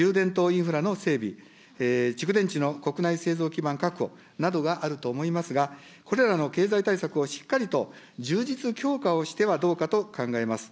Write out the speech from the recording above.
インフラの整備、蓄電池の国内製造基盤確保などがあると思いますが、これらの経済対策をしっかりと充実強化をしてはどうかと考えます。